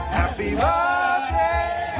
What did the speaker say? แฮปปี้เบิร์สเจทูยู